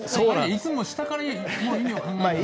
「いつも下から意味を考える」って？